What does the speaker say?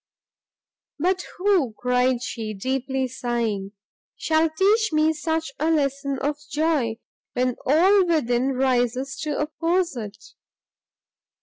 "But who," cried she, deeply sighing, "shall teach me such a lesson of joy, when all within rises to oppose it?"